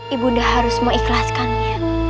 ibu nda harus mengikhlaskannya